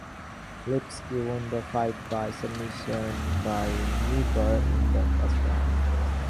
Lipski won the fight by submission by kneebar in the first round.